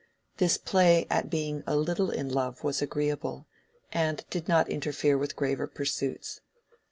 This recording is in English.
This play at being a little in love was agreeable, and did not interfere with graver pursuits.